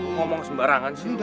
ngomong sembarangan sih